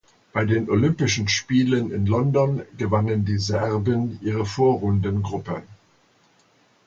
Bei den Olympischen Spielen in London gewannen die Serben ihre Vorrundengruppe.